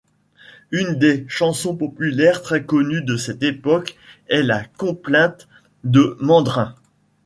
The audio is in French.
Une des chansons populaires très connue de cette époque est la Complainte de Mandrin.